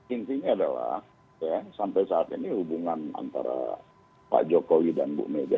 intinya adalah ya sampai saat ini hubungan antara pak jokowi dan bu mega